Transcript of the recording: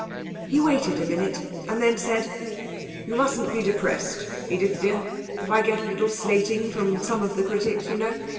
He waited a minute, and then said 'You mustn't be depressed, Edith dear, if I get a little slating from some of the critics, you know.